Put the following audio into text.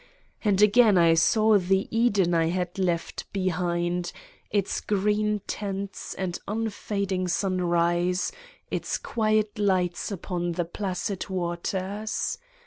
And again I saw the Eden I had left behind, its green tents and 101 Satan's Diary unfading sunrise, its quiet lights upon the placid waters.